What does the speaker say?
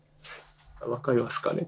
わかりますかね？